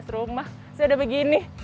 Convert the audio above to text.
lima belas rumah sudah begini